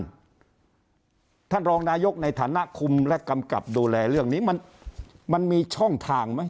ท่านรองนายกในฐานะคุมและกำกับดูแลเรื่องนี้มันมีช่องทางไหม